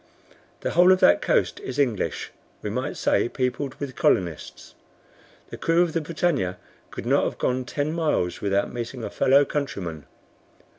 The whole of that coast is English, we might say, peopled with colonists. The crew of the BRITANNIA could not have gone ten miles without meeting a fellow countryman."